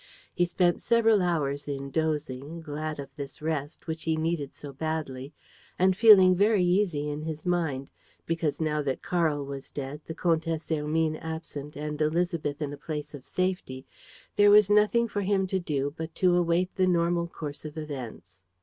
He spent several hours in dozing, glad of this rest, which he needed so badly, and feeling very easy in his mind, because, now that Karl was dead, the Comtesse Hermine absent and Élisabeth in a place of safety, there was nothing for him to do but to await the normal course of events.